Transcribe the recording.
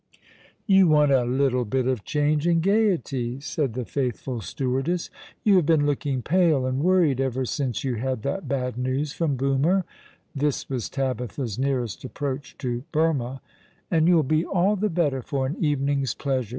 "You want a little bit of change and gaiety," said the faithful stewardess. "You have been looking pale and worried ever since you had that bad news from Broomer," this was Tabitha's nearest approach to Burmah, " and you'll be all the better for an evening's pleasure.